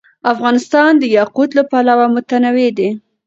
افغانستان د یاقوت له پلوه متنوع دی.